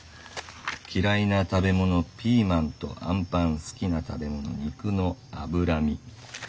きらいな食べ物ピーマンとアンパン好きな食べ物肉のあぶら身。